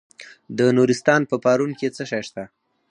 د نورستان په پارون کې څه شی شته؟